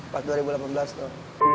pada tahun dua ribu delapan belas tuh